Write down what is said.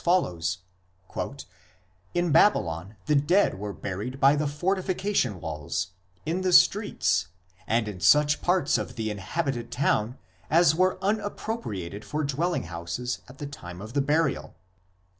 182 IMMORTALITY AND THE UNSEEN WORLD fortification walls, in the streets, and in such parts of the inhabited town as were unappropriated for dwelling houses at the time of the burial.